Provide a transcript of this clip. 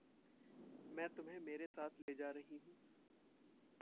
मैं तुम्हें मेरे साथ ले जा रही हूँ।